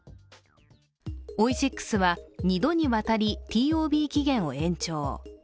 オイシックスは、２度にわたりＴＯＢ期限を延長。